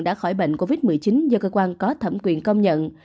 đã khỏi bệnh covid một mươi chín do cơ quan có thẩm quyền công nhận